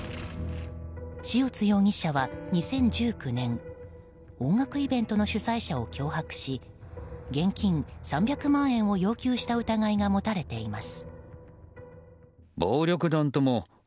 塩津容疑者は２０１９年音楽イベントの主催者を脅迫し現金３００万円を要求した疑いが持たれています。